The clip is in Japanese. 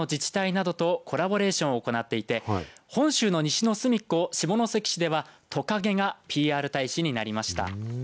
すみっこの自治体などとコラボレーションを行っていて本州の西のすみっこ下関市ではとかげがＰＲ大使になりました。